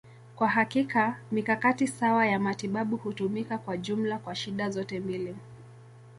Kwa hakika, mikakati sawa ya matibabu hutumika kwa jumla kwa shida zote mbili.